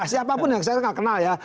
siapapun yang saya nggak kenal ya